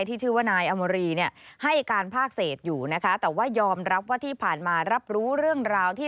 ที่ชื่อว่านายอมรีเนี่ยให้การภาคเศษอยู่นะคะแต่ว่ายอมรับว่าที่ผ่านมารับรู้เรื่องราวที่